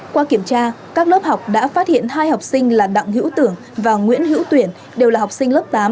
qua kiểm tra các lớp học đã phát hiện hai học sinh là đặng hữu tưởng và nguyễn hữu tuyển đều là học sinh lớp tám